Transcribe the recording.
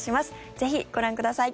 ぜひご覧ください。